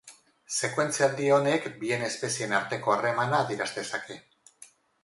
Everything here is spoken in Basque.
Sekuentzia handi honek bien espezieen arteko harremana adieraz dezake.